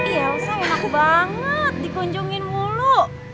elsa memang aku banget dikunjungin mulu